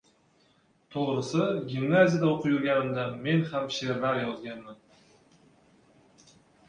Toʻgʻrisi, gimnaziyada oʻqib yurganimda men ham sheʼrlar yozganman.